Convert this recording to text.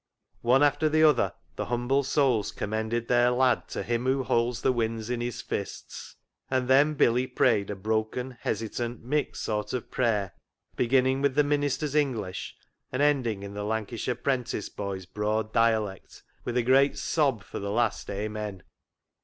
One after the other the 54 CLOG SHOP CHRONICLES humble souls commended their " lad " to " Him who holds the winds in His fists." And then Billy prayed a broken, hesitant, mixed sort of prayer, beginning with the minister's English and ending in the Lanca shire 'prentice boy's broad dialect, with a great sob for the last " Amen."